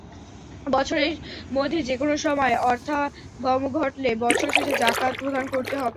বছরের মধ্যে যেকোনো সময় অর্থাগম ঘটলে, বছর শেষে জাকাত প্রদান করতে হবে।